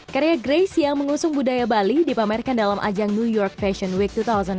karya grace yang mengusung budaya bali dipamerkan dalam ajang new york fashion week dua ribu delapan belas